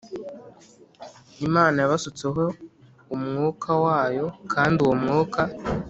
Imana yabasutseho umwukaa wayo kandi uwo mwuka